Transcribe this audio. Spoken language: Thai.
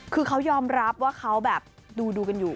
คือเขายอมรับว่าเขาแบบดูกันอยู่